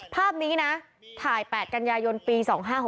ภาพนี้นะถ่ายแปดกัญญายนปี๒๕๖๕